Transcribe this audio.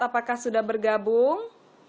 apakah sudah bergabung